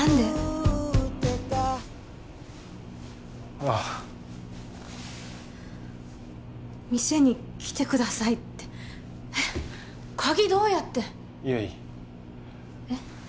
ああ店に来てくださいってえっ鍵どうやって悠依えっ？